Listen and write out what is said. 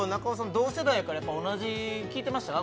同世代やから同じ聴いてましたか？